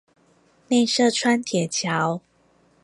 內社川鐵橋